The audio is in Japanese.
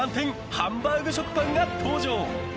ハンバーグ食パンが登場！